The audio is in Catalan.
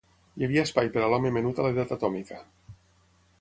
Hi havia espai per a l'home menut a l'edat atòmica.